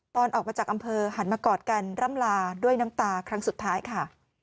ตอนออกมาจากอำเภอหันมากอดกันร่ำลาด้วยน้ำตาครั้งสุดท้ายค่ะ